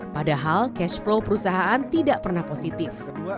padahal cash flow perusahaan tidak pernah positif